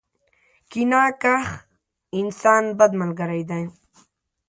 کینه کښ انسان ، بد ملګری دی.